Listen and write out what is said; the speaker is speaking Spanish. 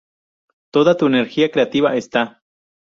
Toda tu energía creativa está.